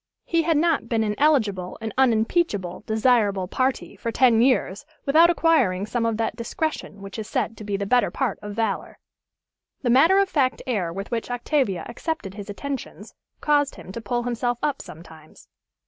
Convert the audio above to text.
He had not been an eligible and unimpeachable desirable parti for ten years without acquiring some of that discretion which is said to be the better part of valor. The matter of fact air with which Octavia accepted his attentions caused him to pull himself up sometimes.